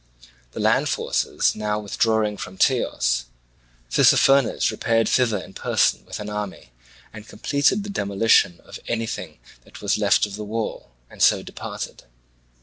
The land forces now withdrawing from Teos, Tissaphernes repaired thither in person with an army and completed the demolition of anything that was left of the wall, and so departed.